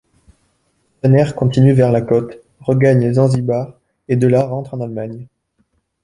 Brenner continue vers la côte, regagne Zanzibar et de là rentre en Allemagne.